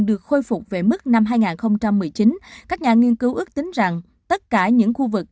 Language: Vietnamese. được khôi phục về mức năm hai nghìn một mươi chín các nhà nghiên cứu ước tính rằng tất cả những khu vực